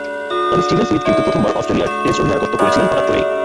তবে Steven Smith কিন্তু প্রথমবার অস্ট্রেলিয়ার টেস্ট অধিনায়কত্ব করেছিলেন হঠাৎ করেই।